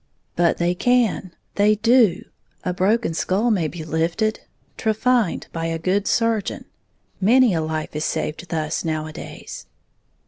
"But they can, they do! A broken skull may be lifted, trephined, by a good surgeon, many a life is saved thus nowadays."